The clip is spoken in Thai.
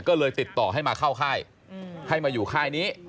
ก็เลยติดต่อให้มาเข้าค่ายให้มาอยู่ค่ายนี้